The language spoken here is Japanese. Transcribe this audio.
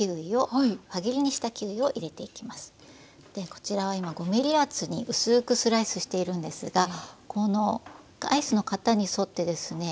こちらは今５ｍｍ厚に薄くスライスしているんですがこのアイスの型に沿ってですね